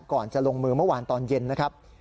ก่อนจะลงมือเมื่อวานตอนเย็นนะครับ